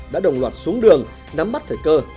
đã đồng loạt xuống đường nắm bắt thời cơ